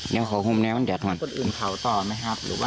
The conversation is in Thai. เป็นเม่นเลยใช่ไหม